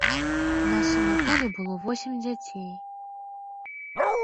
Нас у матулі было восем дзяцей.